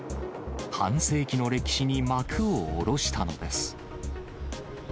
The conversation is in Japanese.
半世紀の歴史に幕を下ろしたのです。